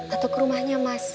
atau ke rumahnya mas